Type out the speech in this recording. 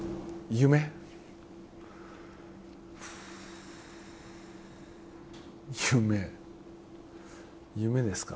夢、夢ですか。